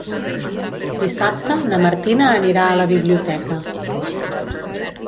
Dissabte na Martina anirà a la biblioteca.